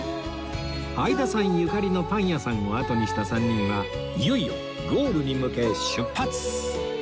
相田さんゆかりのパン屋さんをあとにした３人はいよいよゴールに向け出発！